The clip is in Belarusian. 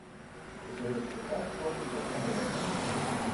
У савецкі час промысел адроджаны.